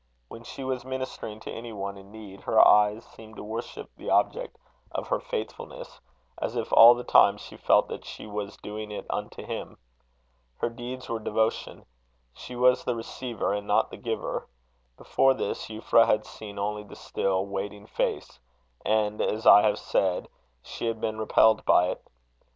When she was ministering to any one in need, her eyes seemed to worship the object of her faithfulness, as if all the time she felt that she was doing it unto Him. Her deeds were devotion. She was the receiver and not the giver. Before this, Euphra had seen only the still waiting face; and, as I have said, she had been repelled by it.